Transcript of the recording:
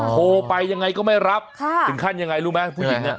โทรไปยังไงก็ไม่รับถึงขั้นยังไงรู้ไหมผู้หญิงเนี่ย